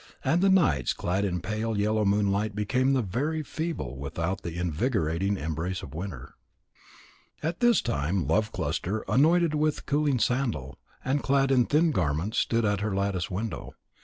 And the nights clad in pale yellow moonlight became very feeble without the invigorating embrace of winter. At this time Love cluster, anointed with cooling sandal, and clad in thin garments stood at her lattice window.